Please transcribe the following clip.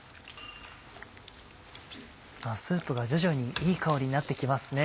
スープが徐々にいい香りになって来ますね。